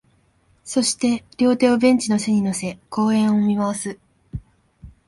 そして、両手をベンチの背に乗せ、公園を見回す